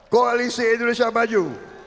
koalisi indonesia maju